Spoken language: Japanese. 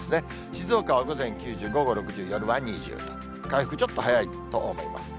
静岡は午前９０、午後６０、夜は２０と、回復、ちょっと早いと思います。